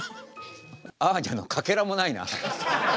アーニャのかけらもないな。